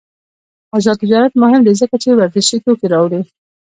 آزاد تجارت مهم دی ځکه چې ورزشي توکي راوړي.